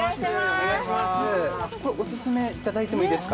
オススメ、いただいてもいいですか？